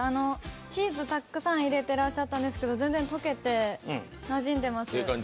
チーズたくさん入れていらっしゃったんですけど全然溶けて、なじんでます。